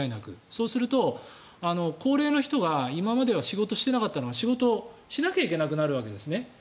そうすると高齢の人が今までは仕事してなかったのが仕事しなきゃいけなくなるわけですね